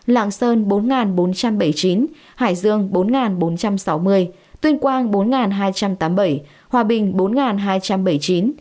lạng sơn bốn bốn trăm bảy mươi chín hải dương bốn bốn trăm sáu mươi tuyên quang bốn hai trăm tám mươi bảy hòa bình bốn hai trăm bảy mươi chín